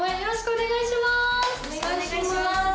お願いします。